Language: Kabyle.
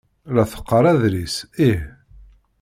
La teqqar adlis? Ih.